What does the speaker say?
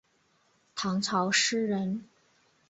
唐朝诗人。